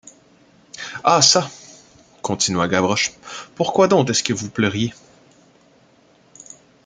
Ah çà, continua Gavroche, pourquoi donc est-ce que vous pleuriez?